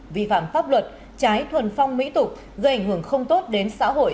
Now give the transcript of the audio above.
vi phạm pháp luật trái thuần phong mỹ tục gây ảnh hưởng không tốt đến xã hội